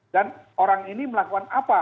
dan orang ini melakukan apa